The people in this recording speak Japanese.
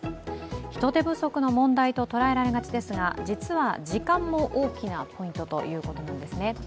人手不足の問題と捉えられがちですが実は時間も大きなポイントということなんですね。